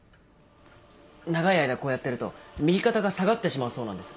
長い間こうやってると右肩が下がってしまうそうなんです。